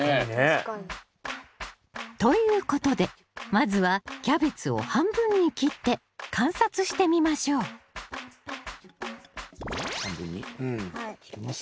確かに。ということでまずはキャベツを半分に切って観察してみましょう半分に切ります。